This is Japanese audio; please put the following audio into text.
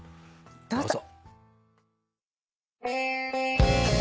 どうぞ。